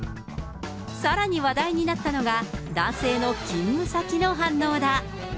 さらに話題になったのが、男性の勤務先の反応だ。